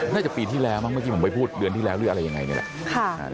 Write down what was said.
น่าจะปีที่แล้วไม่ได้พูดเดือนที่แล้วหรืออะไรอย่างไรนี่แหละ